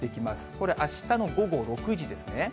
これ、あしたの午後６時ですね。